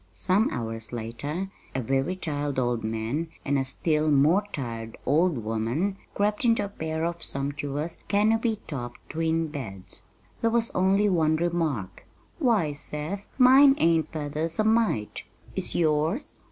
Some hours later a very tired old man and a still more tired old woman crept into a pair of sumptuous, canopy topped twin beds. There was only one remark. "Why, Seth, mine ain't feathers a mite! Is yours?"